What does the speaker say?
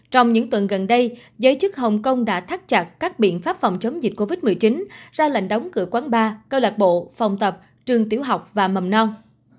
trong những tuần gần đây giới chức hồng kông đã thắt chặt các biện pháp phòng chống dịch covid một mươi chín ra lệnh đóng cửa quán bar câu lạc bộ phòng tập trường tiểu học và mầm non